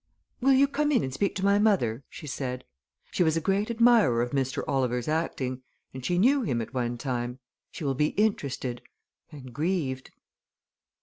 "Will you come in and speak to my mother?" she said. "She was a great admirer of Mr. Oliver's acting and she knew him at one time. She will be interested and grieved."